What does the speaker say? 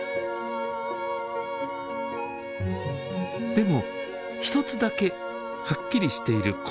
でも一つだけはっきりしていることがあります。